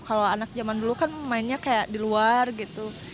kalau anak zaman dulu kan mainnya kayak di luar gitu